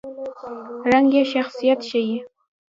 رنګ یې شخصیت ښيي.